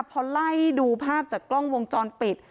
พอไล่ดูภาพจากกล้องวงจรปิด